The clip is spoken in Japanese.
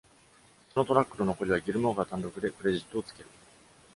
そのトラックの残りはギルモアが単独でクレジットを付ける。